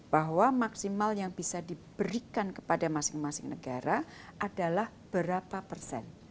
bahwa maksimal yang bisa diberikan kepada masing masing negara adalah berapa persen